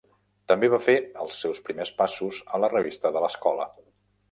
També va fer els seus primers passos a la revista de l'escola.